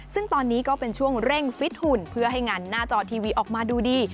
ซึ่งตอนนี้ก็เป็นช่วงเร่งฟิตหุ่นเพื่อให้งานหน้าจอทีวีออกมาดูดี